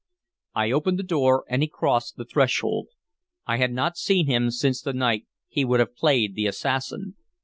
I opened the door, and he crossed the threshold. I had not seen him since the night he would have played the assassin.